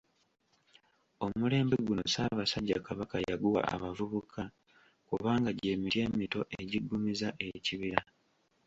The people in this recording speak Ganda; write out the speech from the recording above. Omulembe guno Ssaabasajja Kabaka yaguwa abavubuka kubanga gy'emiti emito egiggumizza ekibira.